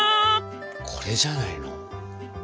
これじゃないの？